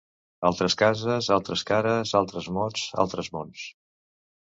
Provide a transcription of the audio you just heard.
Altres cases altres cares altres mots altres mons.